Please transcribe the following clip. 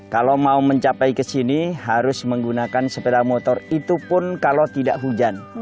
kalau mau mencapai ke sini harus menggunakan sepeda motor itu pun kalau tidak hujan